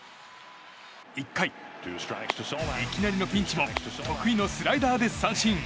１回、いきなりのピンチも得意のスライダーで三振。